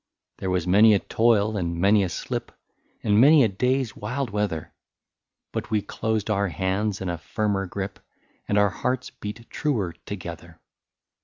" There was many a toil, and many a slip. And many a day's wild weather ; But we closed our hands in a firmer grip. And our hearts beat truer together.